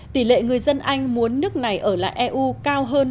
tỷ lệ người dân anh muốn nước này ở lại eu cao hơn